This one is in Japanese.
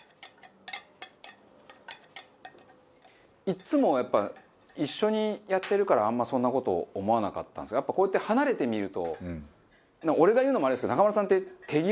いっつもやっぱ一緒にやってるからあんまそんな事思わなかったんですけどやっぱこうやって離れてみると俺が言うのもあれですけど中丸さんって手際悪いですよね。